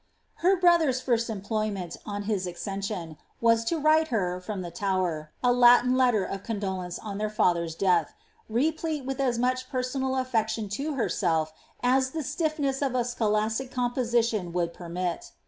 Her brother's first employment, on his accession, was to write her^ from the Tower, a Latin letter of condolence on their father's death, replete with as much personal affection to herself as the stiflhess of a scholastic composition would permit.